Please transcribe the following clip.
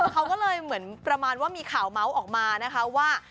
เขาก็เลยเหมือนประมาณว่ามีข่าวเมาส์ออกมานะคะว่า